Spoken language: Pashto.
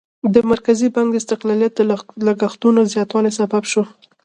د مرکزي بانک استقلالیت د لګښتونو زیاتوالي سبب شو.